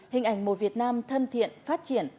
hình ảnh một việt nam thân thiện phát triển